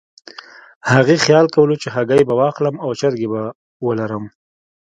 هغې خیال کولو چې هګۍ به واخلم او چرګې به ولرم.